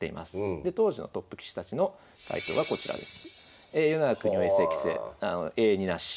で当時のトップ棋士たちの回答はこちらです。